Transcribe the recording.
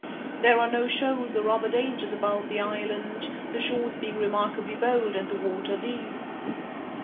There are no shoals or other dangers about the island, the shores being remarkably bold and the water deep.